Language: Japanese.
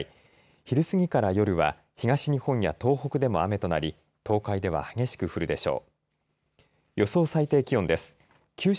昼すぎから夜は東日本や東北でも雨となり東海では激しく降るでしょう。